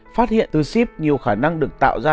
phát hiện từ ship nhiều khả năng được tạo ra